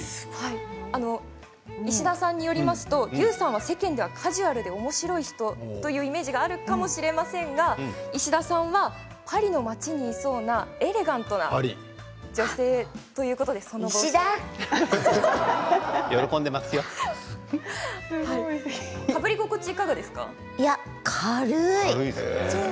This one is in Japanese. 石田さんによりますとＹＯＵさんは世間ではカジュアルでおもしろい人というイメージがあるかもしれませんが石田さんはパリの街にいそうな雰囲気がエレガントな女性ということでその帽子を。